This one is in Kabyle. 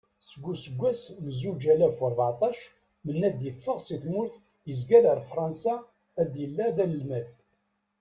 Deg useggas n zuǧ alaf u rbeɛṭac, Menad iffeɣ seg tmurt izger ar Fransa and yella d-analmad.